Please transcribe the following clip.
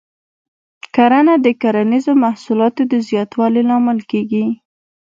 کرنه د کرنیزو محصولاتو د زیاتوالي لامل کېږي.